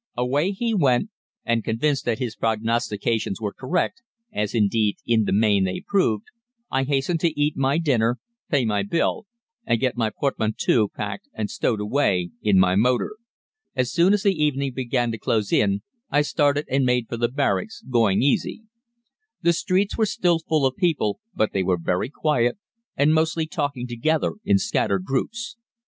"Away he went, and convinced that his prognostications were correct as, indeed, in the main they proved I hastened to eat my dinner, pay my bill, and get my portmanteau packed and stowed away in my motor. As soon as the evening began to close in I started and made for the barracks, going easy. The streets were still full of people, but they were very quiet, and mostly talking together in scattered groups.